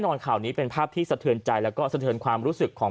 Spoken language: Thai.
ข่าวนี้เป็นภาพที่สะเทือนใจแล้วก็สะเทินความรู้สึกของ